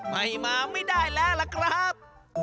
ไม่มาไม่ได้แล้วล่ะครับ